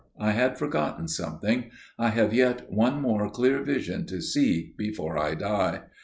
I had forgotten something. I have yet one more clear vision to see before I die.